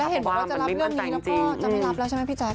เห็นบอกว่าจะรับเรื่องนี้แล้วก็จะไม่รับแล้วใช่ไหมพี่แจ๊